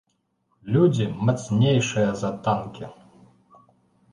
Людзі, мацнейшыя за танкі.